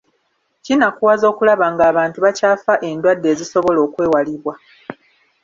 Kinakuwaza okulaba nga abantu bakyafa endwadde ezisobola okwewalibwa.